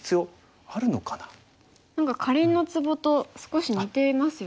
何かかりんのツボと少し似ていますよね